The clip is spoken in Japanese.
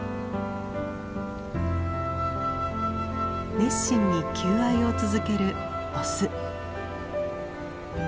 熱心に求愛を続けるオス。